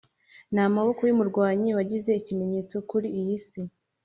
namaboko yumurwanyi wagize ikimenyetso kuri iyi si.